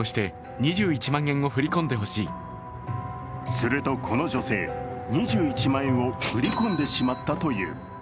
するとこの女性、２１万円を振り込んでしまったという。